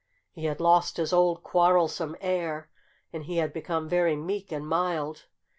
He had lost his old, quarrelsome air; and he had become very meek and mild.